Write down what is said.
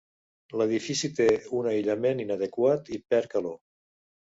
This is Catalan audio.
L'edifici té un aïllament inadequat i perd calor.